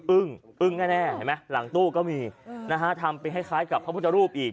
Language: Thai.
อึ้งแน่เห็นไหมหลังตู้ก็มีนะฮะทำไปคล้ายกับพระพุทธรูปอีก